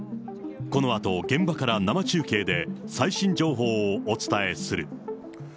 このあと現場から生中継で最新情報をお伝えする。